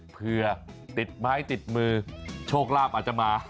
เพื่อติดไม้ติดมือโชคลาภอาจจะมา